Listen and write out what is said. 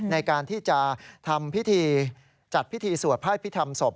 ในการที่จะทำพิธีจัดพิธีสวดพระพิธรรมศพ